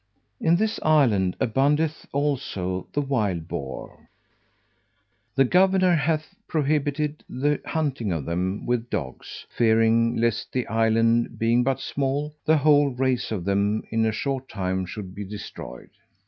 In this island aboundeth, also, the wild boar. The governor hath prohibited the hunting of them with dogs, fearing lest, the island being but small, the whole race of them, in a short time, should be destroyed.